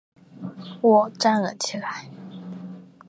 我站了起来